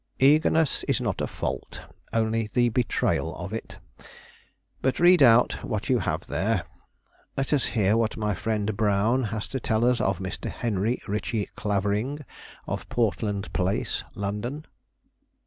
"Eagerness is not a fault; only the betrayal of it. But read out what you have there. Let us hear what my friend Brown has to tell us of Mr. Henry Ritchie Clavering, of Portland Place, London."